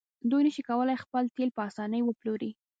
دوی نشي کولی خپل تیل په اسانۍ وپلوري.